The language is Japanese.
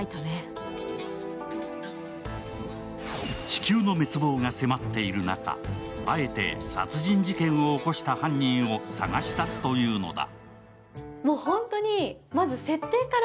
地球の滅亡が迫っている中、あえて殺人事件を起こした犯人を捜し出すというのだ。